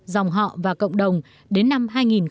dòng họ và cộng đồng đến năm hai nghìn hai mươi